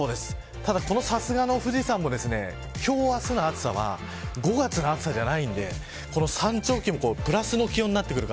さすがの富士山も今日、明日の暑さは５月の暑さじゃないんで山頂付近もプラスの気温になってくる